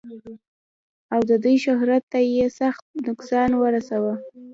او د دوي شهرت تۀ ئې سخت نقصان اورسولو